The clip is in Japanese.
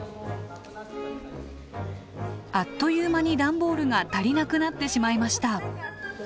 あっという間に段ボールが足りなくなってしまいました。